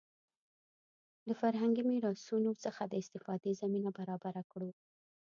د فرهنګي میراثونو څخه د استفادې زمینه برابره کړو.